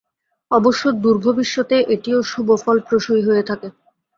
অবশ্য দূর ভবিষ্যতে এটিও শুভ ফলপ্রসূই হয়ে থাকে।